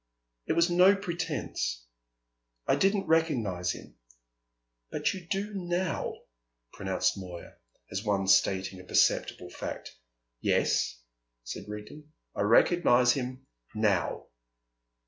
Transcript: "It was no pretence. I didn't recognise him." "But you do now," pronounced Moya, as one stating a perceptible fact. "Yes," said Rigden, "I recognise him now."